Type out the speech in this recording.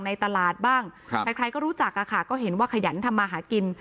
ในตลาดบ้างใครก็รู้จักอะค่ะก็เห็นว่าขยันทำมาหากิน